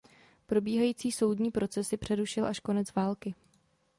Probíhající soudní procesy přerušil až konec války.